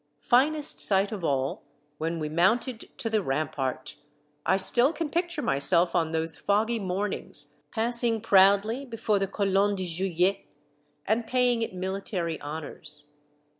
Finest sight of all when we mounted to the rampart! I still can picture myself on those foggy mornings, passing proudly before the Colonne de Juillet, and paying it military honors.